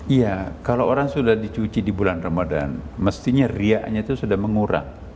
iya kalau orang sudah dicuci di bulan ramadan mestinya riaknya itu sudah mengurang